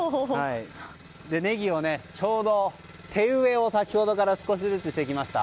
ねぎの手植えを先ほどから少しずつしてきました。